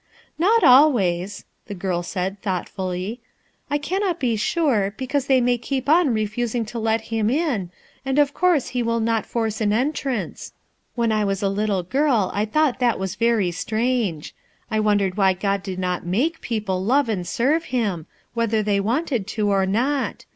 "Not always/' the girl said thoughtfully, u t cannot be sure, because they may keep on refusing to let Him in, and of course He will not force an entrance. TThen I was a little girl, I thought that wag very strange* I wondered why God did not make people love and serve Him, whether they wanted to, or not.